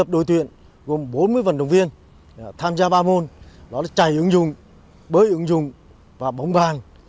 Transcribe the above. đội tuyện gồm bốn mươi vận động viên tham gia ba môn đó là chạy ứng dụng bơi ứng dụng và bóng bàn